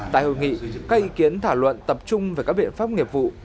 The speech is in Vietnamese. tại hội nghị các ý kiến thảo luận tập trung về các biện pháp nghiệp vụ